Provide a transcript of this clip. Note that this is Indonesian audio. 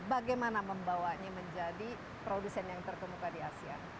bagaimana membawanya menjadi produsen yang terkemuka di asia